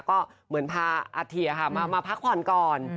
ก็เหมือนพาอาเทียมาพักผ่อนก่อน